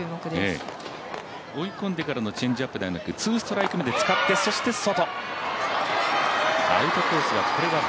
追い込んでからのチェンジアップではなくツーストライク目で使ってそして、外。